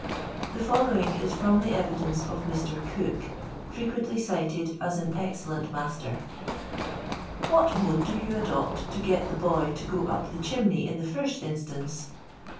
The following is from the evidence of Mr. Cook, frequently cited as an excellent master :—" What mode do you adopt to get the boy to go up the chimney in the flrst instance